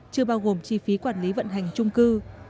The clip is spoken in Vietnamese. chưa bao gồm chi phí quản lý vận hành trung cư